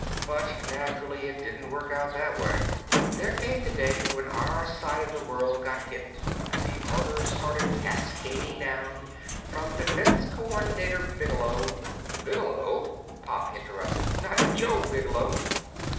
But naturally it didn't work out that way. There came the day when our side of the world got hit and the orders started cascading down from Defense Coordinator Bigelow " "Bigelow?" Pop interrupted. "Not Joe Bigelow?"